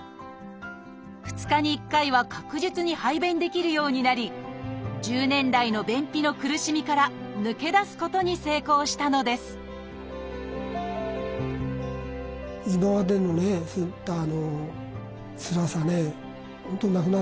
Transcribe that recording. ２日に１回は確実に排便できるようになり１０年来の便秘の苦しみから抜け出すことに成功したのですはあ！